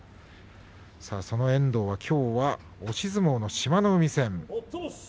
その遠藤、きょうは押し相撲の志摩ノ海戦です。